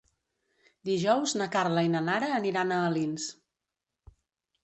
Dijous na Carla i na Nara aniran a Alins.